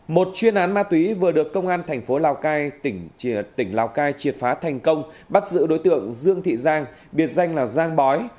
một chuyên án ma túy vừa được công an thành phố lào cai tỉnh lào cai triệt phá thành công bắt giữ đối tượng dương thị giang biệt danh là giang bói